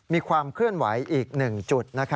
มีความเคลื่อนไหวอีก๑จุด